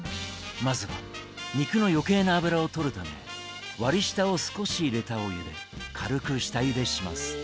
まずは肉の余計な脂をとるため割り下を少し入れたお湯で軽く下ゆでします。